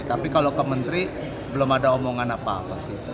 tapi kalau ke menteri belum ada omongan apa apa sih